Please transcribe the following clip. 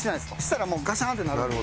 したらガシャーンってなるので。